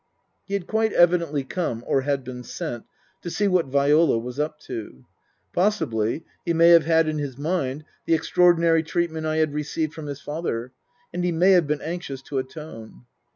He had quite evidently come, or had been sent, to see what Viola was up to. Possibly he may have had in his mind the extraordinary treatment I had received from his father, and he may have been anxious to atone.